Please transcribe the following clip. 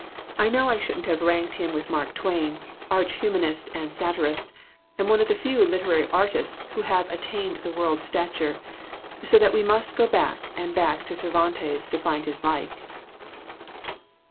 I know I shouldn't have ranked him with Mark Twain, arch humanist and satirist and one of the few literary artists who have at tained the world stature so that we must go back and back to Cervantes to find his like."